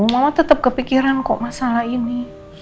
mama tetap kepikiran kok masalah ini